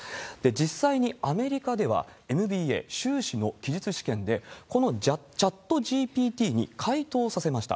実際にアメリカでは、ＭＢＡ・修士の記述試験で、このチャットＧＰＴに解答させました。